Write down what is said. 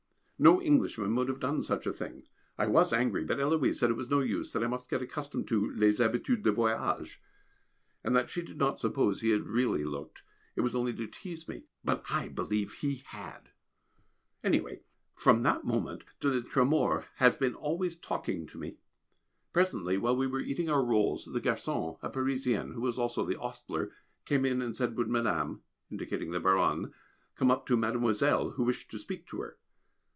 No Englishman would have done such a thing. I was angry, but Héloise said it was no use, that I must get accustomed to "les habitudes de voyage," and that she did not suppose he had really looked, it was only to tease me. But I believe he had anyway from that moment de la Trémors has been always talking to me. Presently while we were eating our rolls, the garçon, a Parisian (who was also the ostler), came in and said: Would Madame indicating the Baronne come up to "Mademoiselle," who wished to speak to her?